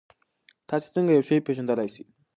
تاسې څنګه یو شی پېژندلای سئ؟